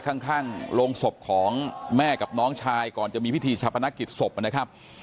ข้างโรงศพของแม่กับน้องชายก่อนจะมีพิธีชาพนักกิจศพนะครับ